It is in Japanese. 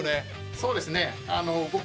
そうですね。